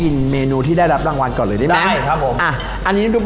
อร่อยเชียบแน่นอนครับอร่อยเชียบแน่นอนครับ